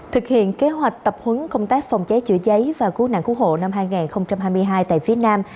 thực hiện kế hoạch tập huấn công tác phòng cháy chữa cháy và cứu nạn cứu hộ năm hai nghìn hai mươi hai tại phía nam